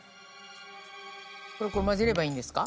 これ混ぜればいいんですか？